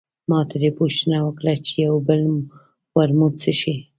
ما ترې پوښتنه وکړه چې یو بل ورموت څښې.